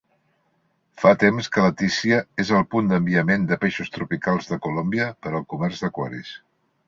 Fa temps que Leticia és el punt d'enviament de peixos tropicals de Colòmbia per al comerç d'aquaris.